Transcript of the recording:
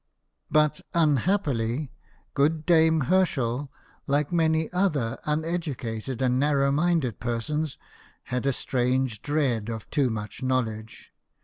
But, unhappily, good clame Herschel, like many other uneducated and narrow minded persons, had a strange dread of too much knowledge.